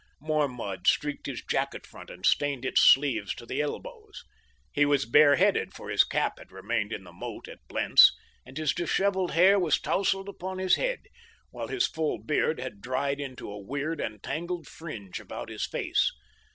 More mud streaked his jacket front and stained its sleeves to the elbows. He was bare headed, for his cap had remained in the moat at Blentz, and his disheveled hair was tousled upon his head, while his full beard had dried into a weird and tangled fringe about his face.